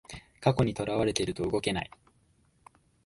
過去にとらわれてると動けない